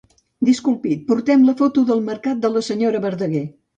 Disculpi, portem la foto del mercat de la senyora Verdaguer.